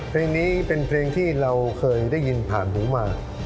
เพลงนี้เป็นเพลงที่เราเคยได้ยินผ่านหูมา